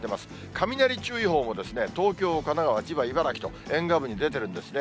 雷注意報も、東京、神奈川、千葉、茨城と、沿岸部に出てるんですね。